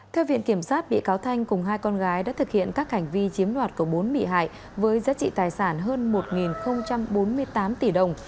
theo viện kiểm sát bị cáo thanh cùng hai con gái đã thực hiện các hành vi chiếm đoạt của bốn bị hại với giá trị tài sản hơn một bốn mươi tám tỷ đồng